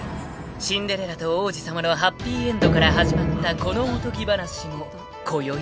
［シンデレラと王子様のハッピーエンドから始まったこのおとぎ話もこよいで終わり］